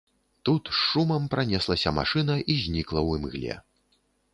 Тут з шумам пранеслася машына і знікла ў імгле.